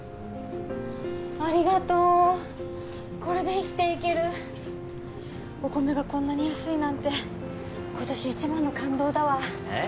ありがとうこれで生きていけるお米がこんなに安いなんて今年一番の感動だわえっ？